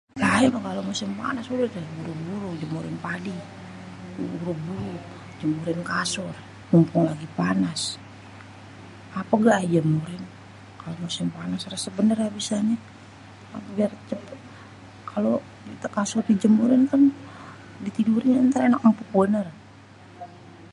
lah ayé kalo musim panas buru-buru jemurin padi buru-buru jemurin kasur mumpung lagi panas apêge ayé jemurin kalo musim panas rêsêp benêr abisnyê biar cepêt kalo kasur dijemur kan ditidurin kan ènak êmpuk benêr.